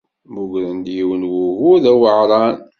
Mmugren-d yiwen n wugur d aweɛṛan.